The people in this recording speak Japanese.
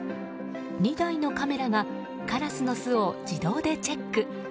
２台のカメラがカラスの巣を自動でチェック。